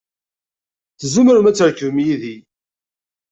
Tzemrem ad trekbem yid-i.